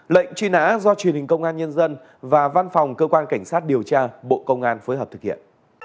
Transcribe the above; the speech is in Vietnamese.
lệnh truy nã do truyền hình công an nhân dân và văn phòng cơ quan cảnh sát điều tra bộ công an phối hợp thực hiện